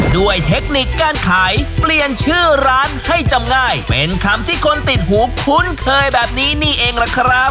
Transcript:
เทคนิคการขายเปลี่ยนชื่อร้านให้จำง่ายเป็นคำที่คนติดหูคุ้นเคยแบบนี้นี่เองล่ะครับ